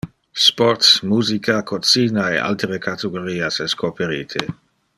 Sports, musica, cocina e altere categorias es coperite.